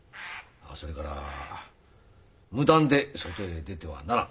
それから無断で外へ出てはならん。